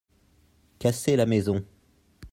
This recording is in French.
Cassez la maison.